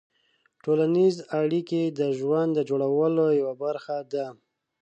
ټولنیز اړیکې د ژوند د جوړولو یوه برخه ده.